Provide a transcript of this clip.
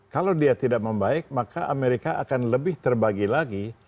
kalau dia tidak membaik maka amerika akan lebih terbagi lagi